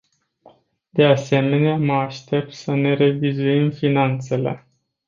De asemenea, mă aștept să ne revizuim finanțele.